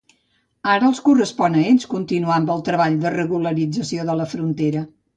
Ara els correspon a ells continuar amb el treball de regularització de la frontera.